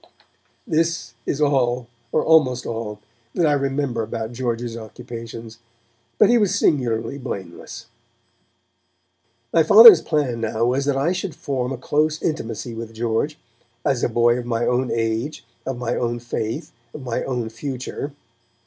This is all, or almost all, that I remember about George's occupations, but he was singularly blameless. My Father's plan now was that I should form a close intimacy with George, as a boy of my own age, of my own faith, of my own future.